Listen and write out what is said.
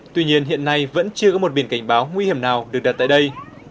tuy nhiên hiện nay vẫn chưa có một biển cảnh báo nguy hiểm nào được đặt tại đây